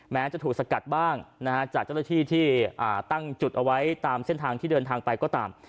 แม้จะถูกสกัดบ้างจากเจ้าหน้าที่ที่ตั้งจุดเอาไว้ตามเส้นทางที่เดินทางไปก็ตาม